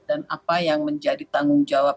dan apa yang menjadi tanggung jawab